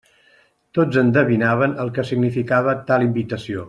Tots endevinaven el que significava tal invitació.